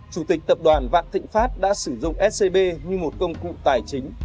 chủ tịch tập đoàn vạn thịnh pháp đã sử dụng scb như một công cụ tài chính